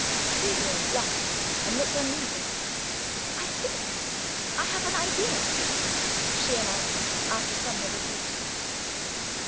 Cecilia blushed and looked uneasy. "I think I have got an idea," she announced, after some hesitation.